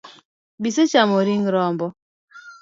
Be isechamo ring rombo?